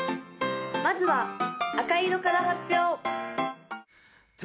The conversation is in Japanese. まずは赤色から発表！